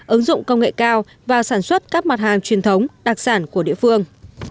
ứng dụng công nghệ cao và sản xuất các mặt hàng truyền thống đặc sản của địa phương